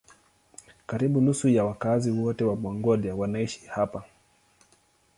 Karibu nusu ya wakazi wote wa Mongolia wanaishi hapa.